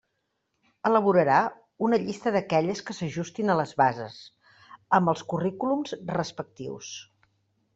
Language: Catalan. Elaborarà una llista d'aquelles que s'ajustin a les bases, amb els currículums respectius.